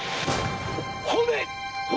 骨！？